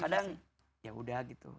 kadang ya udah gitu